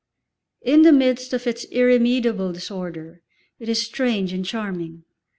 In the midst of its irremediable disorder, it is strange and charming.